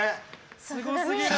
すごすぎる！